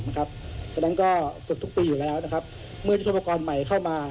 เพราะฉะนั้นก็ศึกทุกปีอยู่แล้วเมื่อทุกประกอบใหม่เข้ามา